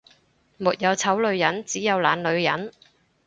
沒有醜女人，只有懶女人